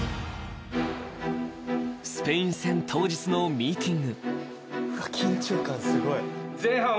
［スペイン戦当日のミーティング］